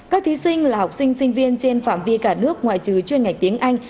các thí sinh là học sinh sinh viên trên phạm vi cả nước ngoại trừ chuyên ngạch tiếng anh